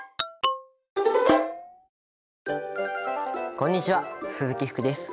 こんにちは鈴木福です。